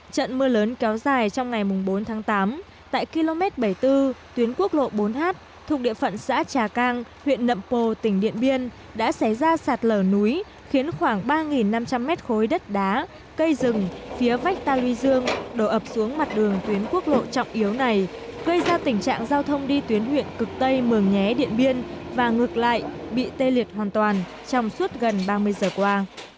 trận mưa lớn kéo dài trong ngày bốn tháng tám tại km bảy mươi bốn tuyến quốc lộ bốn h thuộc địa phận xã trà cang huyện nậm pồ tỉnh điện biên đã xé ra sạt lở núi khiến khoảng ba năm trăm linh m khối đất đá cây rừng phía vách ta luy dương đổ ập xuống mặt đường tuyến quốc lộ trọng yếu này gây ra tình trạng giao thông đi tuyến huyện cực tây mường nhé điện biên và ngược lại bị tê liệt hoàn toàn trong suốt gần ba mươi giờ qua